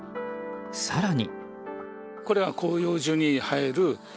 更に。